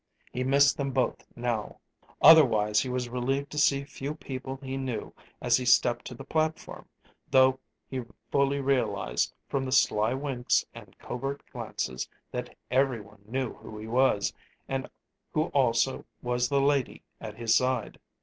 He missed them both now. Otherwise he was relieved to see few people he knew, as he stepped to the platform, though he fully realized, from the sly winks and covert glances, that every one knew who he was, and who also was the lady at his side.